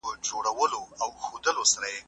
د بدن انرژي د ورځې لخوا زیات فعاله وي.